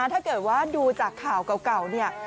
ถ้าเกิดว่าดูจากข่าวเก่าเนี่ย